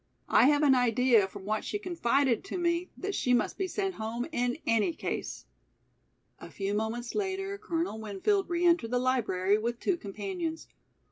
I have an idea from what she confided to me that she must be sent home in any case." A few moments later, Colonel Winfield re entered the library with two companions.